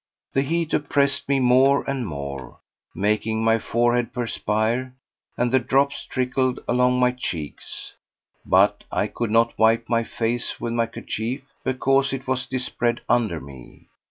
The heat oppressed me more and more, making my forehead perspire and the drops trickled along my cheeks; but I could not wipe my face with my kerchief because it was dispread under me.